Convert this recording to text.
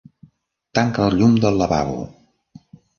Tanca el llum del lavabo.